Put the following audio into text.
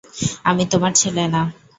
আমি তোমার ছেলে না।